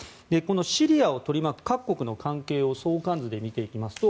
シリアを取り巻く各国の関係を相関図で見ていきますと